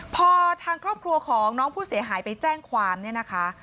พอทางครอบครัวของน้องผู้เสียหายไปแจ้งความเนี่ยนะคะ